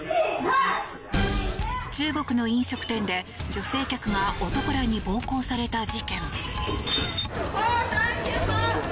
中国の飲食店で女性客が男らに暴行された事件。